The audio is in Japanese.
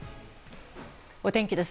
お天気です。